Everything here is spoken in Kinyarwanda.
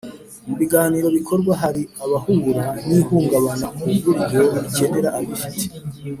Mu biganiro bikorwa hari abahura n ihungabana ku buryo bakenera abifite